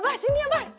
abah sini abah